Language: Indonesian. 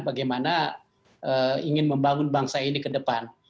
bagaimana ingin membangun bangsa ini ke depan